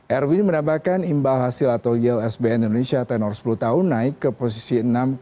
erwin menambahkan imbas hasil atol yel sbm indonesia tenor sepuluh tahun naik ke posisi enam enam puluh enam